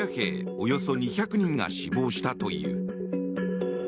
およそ２００人が死亡したという。